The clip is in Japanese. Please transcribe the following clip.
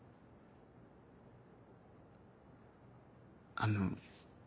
あの。